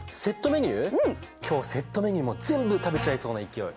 今日セットメニューも全部食べちゃいそうな勢い。